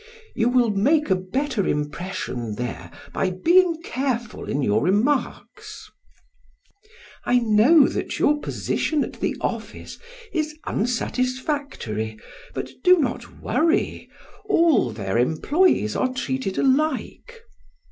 You will make a better impression there by being careful in your remarks. I know that your position at the office is unsatisfactory, but do not worry; all their employees are treated alike."